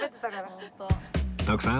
徳さん